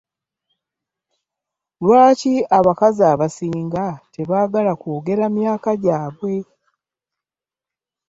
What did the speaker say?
Lwaki abakazi abasing tebaagala kwogera myaka gyabwe?